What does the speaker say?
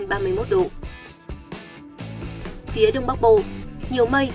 nhiệt độ cao nhất từ hai mươi tám đến ba mươi một độ có nơi trên ba mươi một độ